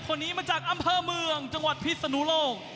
คนนี้มาจากอำเภอเมืองจังหวัดพิศนุโลก